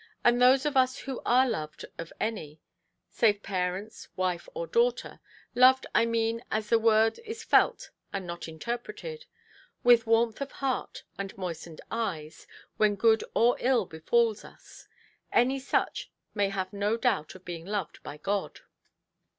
And those of us who are loved of any—save parents, wife, or daughter—loved, I mean, as the word is felt and not interpreted,—with warmth of heart, and moistened eyes (when good or ill befalls us); any such may have no doubt of being loved by God.